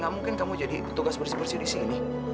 gak mungkin kamu jadi petugas bersih bersih disini